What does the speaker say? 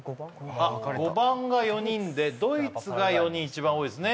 あ５番が４人でドイツが４人一番多いですね